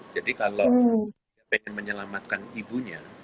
jadi kalau ingin menyelamatkan ibunya